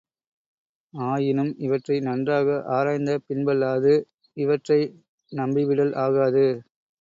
ஆயினும் இவற்றை நன்றாக ஆராய்ந்த பின்பல்லாது, இவற்றை நம்பிவிடல் ஆகாது.